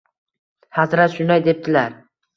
Hazrat shunday debdilar